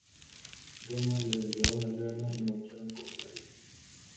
Roma les declaró la guerra y marcharon contra ellos.